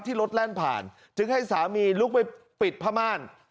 รถแล่นผ่านจึงให้สามีลุกไปปิดผ้าม่าน